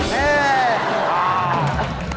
ฮ่า